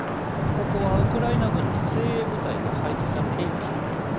ここは、ウクライナ軍の精鋭部隊が配置されていました。